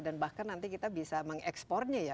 dan bahkan nanti kita bisa mengekspornya ya